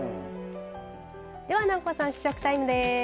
南光さん、試食タイムです。